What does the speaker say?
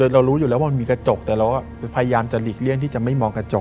เรารู้อยู่แล้วว่ามันมีกระจกแต่เราก็พยายามจะหลีกเลี่ยงที่จะไม่มองกระจก